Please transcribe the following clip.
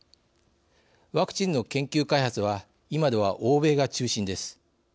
ワクチンの研究・開発は今では欧米が中心です。